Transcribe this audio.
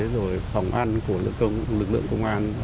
rồi phòng ăn của lực lượng công an